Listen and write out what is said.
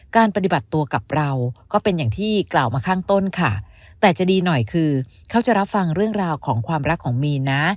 การปฏิบัติตัวกับเราก็เป็นอย่างที่กล่าวมาข้างต้นค่ะแต่จะดีหน่อยคือเขาจะรับฟังเรื่องราวของความรักของมีนนะ